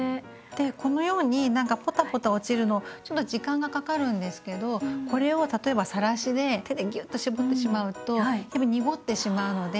でこのようにポタポタ落ちるのちょっと時間がかかるんですけどこれを例えばさらしで手でぎゅっと絞ってしまうとやっぱり濁ってしまうので。